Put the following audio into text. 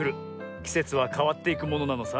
きせつはかわっていくものなのさ。